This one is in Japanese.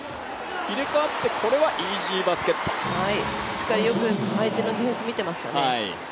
しっかり相手のディフェンスを見てましたね。